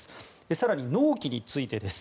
更に納期についてです。